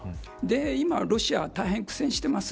今、ロシアは大変苦戦しています。